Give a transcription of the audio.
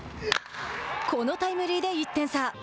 このタイムリーで１点差。